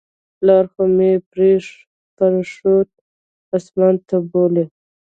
پلار خو مې پرښتو اسمان ته بولى.